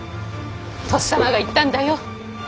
とっさまが言ったんだよ。